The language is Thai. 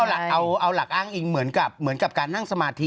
เพราะอะไรเอาเอาหลักอ้างอิงเหมือนกับเหมือนกับการนั่งสมาธิ